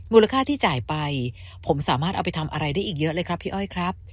มูลค่าที่จ่ายไปผมสามารถเอาไปทำอะไรได้อีกเยอะเลยครับพี่อ้อยครับ